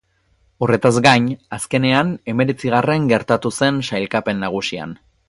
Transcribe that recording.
Horretaz gain, azkenean hemeretzigarren geratu zen sailkapen nagusian.